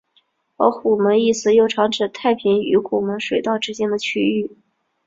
而虎门一词又常指太平与虎门水道之间的区域。